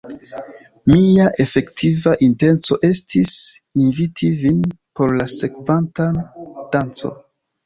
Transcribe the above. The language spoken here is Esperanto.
Mia efektiva intenco estis inviti vin por la sekvanta danco.